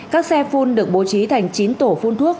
các xe phun được bố trí thành chín tổ phun thuốc